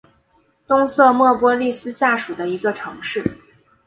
东瑟莫波利斯下属的一座城市。